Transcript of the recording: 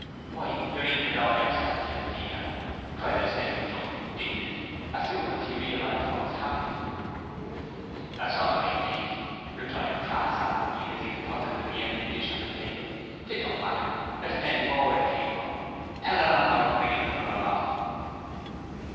'Why, you're eating it all yerself, yer bleeder,' cried the Semi drunk indignantly, as soon as he realized what was happening. 'That's all right, matey,' replied Crass affably as he deposited the empty dish on the table. 'It don't matter, there's plenty more where it come from. Tell the landlord to bring in another lot.'